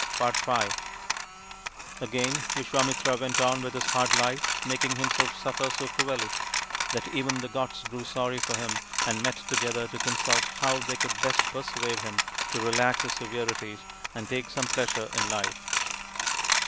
Again Visvamitra went on with his hard life, making himself suffer so cruelly that even the gods grew sorry for him and met together to consult how they could best persuade him to relax his severities and take some pleasure in life.